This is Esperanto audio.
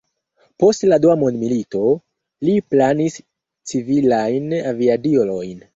Post la dua mondmilito, li planis civilajn aviadilojn.